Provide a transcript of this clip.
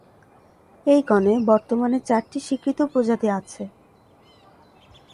এই গণে বর্তমানে চারটি স্বীকৃত প্রজাতি আছে।